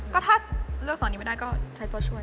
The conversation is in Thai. ก็ถ้าเลือกสอนนี้ไม่ได้ก็ใช้ตัวช่วย